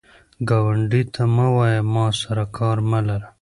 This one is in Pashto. ګاونډي ته مه وایه “ما سره کار مه لره”